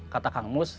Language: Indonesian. kata kang mus